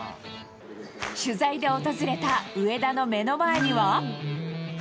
取材で訪れた上田の目の前には。